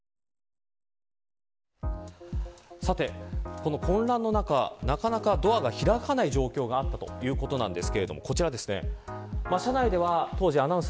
この混乱の中、なかなかドアが開かない状況があったということです。